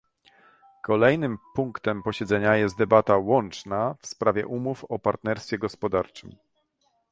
Kolejnym punktem posiedzenia jest debata łączna w sprawie umów o partnerstwie gospodarczym